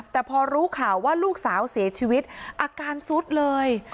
แต่พอรู้ข่าวว่าลูกสาวเสียชีวิตอาการซุดเลย